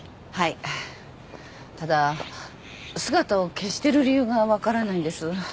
ただ姿を消してる理由が分からないんです。